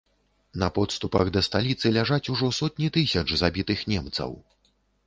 На подступах да сталіцы ляжаць ужо сотні тысяч забітых немцаў.